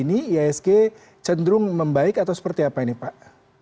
isg cenderung membaik atau seperti apa ini pak